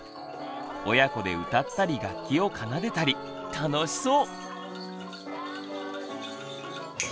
親子で歌ったり楽器を奏でたり楽しそう！